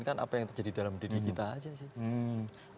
kan apa yang terjadi dalam diri kita aja sih